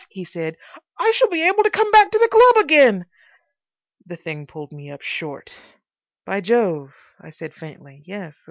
he said, "I shall be able to come back to the club again." The thing pulled me up short. "By Jove!" I said faintly. "Yes.